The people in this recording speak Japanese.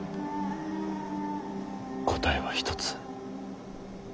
答えは一つ。